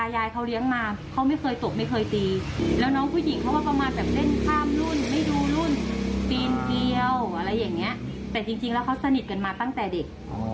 จริงแล้วเขาสนิทมาตั้งแต่เด็ก